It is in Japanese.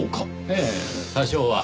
ええ多少は。